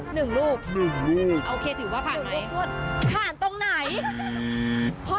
เฮ้ยเขาไปเรื่อยเนาะ